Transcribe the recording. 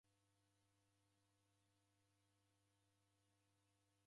Wapatire mwana wa w'omi.